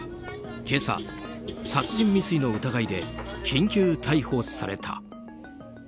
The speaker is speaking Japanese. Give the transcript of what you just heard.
今朝、殺人未遂の疑いで緊急逮捕された。